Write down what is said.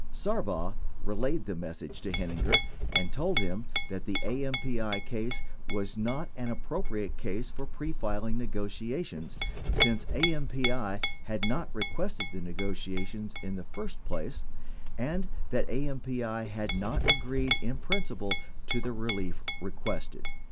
Sarbaugh relayed the message to Heininger, and told him that the AMPI case was not an appropriate case for pre filing negotiations since AMPT had not requested the negotiations in the first place and that AMPI had not agreed in principle to the relief requested.